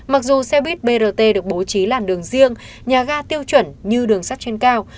mặc dù xe buýt brt được bố trí làn đường riêng nhà ga tiêu chuẩn như đường sắt trên cao